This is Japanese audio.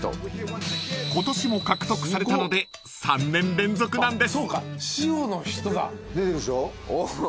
［今年も獲得されたので３年連続なんです］